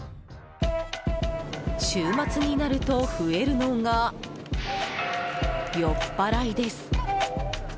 週末になると増えるのが酔っ払いです。